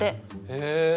へえ。